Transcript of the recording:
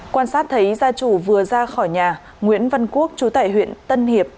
quan sát thấy gia trù vừa ra khỏi nhà nguyễn văn quốc trú tại huyện tân hiệp